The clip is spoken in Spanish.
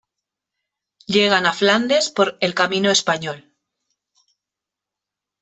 Llegan a Flandes por "el camino español".